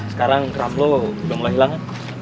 sekarang kerablo udah mulai hilang